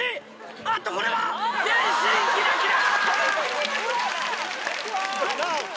あっとこれは全身キラキラ！